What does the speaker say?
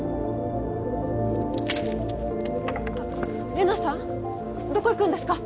玲奈さんどこ行くんですか？